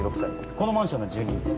このマンションの住人です。